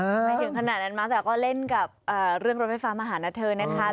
ไม่ถึงขนาดนั้นมั้แต่ก็เล่นกับเรื่องรถไฟฟ้ามาหานะเธอนะคะ